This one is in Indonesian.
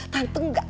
tante enggak akan